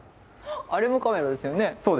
あれもカメラですよね？